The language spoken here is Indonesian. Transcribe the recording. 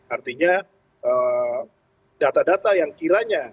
artinya data data yang kiranya